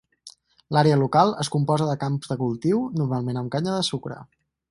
L"àrea local es composa de camps de cultiu, normalment amb canya de sucre.